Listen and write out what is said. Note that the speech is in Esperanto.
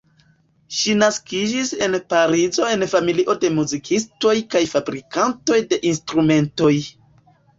Ŝi naskiĝis en Parizo en familio de muzikistoj kaj fabrikantoj de instrumentoj.